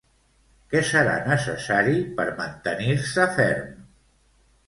Què serà necessari per mantenir-se ferm?